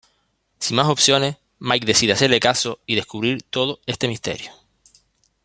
Sin más opciones, Mike decide hacerle caso y descubrir todo este misterio.